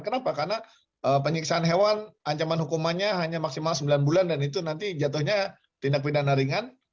kenapa karena penyiksaan hewan ancaman hukumannya hanya maksimal sembilan bulan dan itu nanti jatuhnya tindak pidana ringan